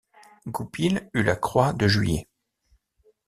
Goupil eut la croix de Juillet.